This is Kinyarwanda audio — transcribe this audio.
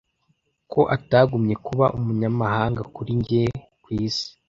Ko atagumye kuba umunyamahanga kuri njye kwisi